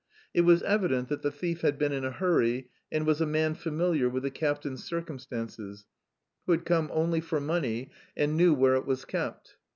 It was evident that the thief had been in a hurry and was a man familiar with the captain's circumstances, who had come only for money and knew where it was kept.